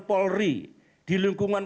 polri di lingkungan